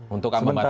untuk ambang batasnya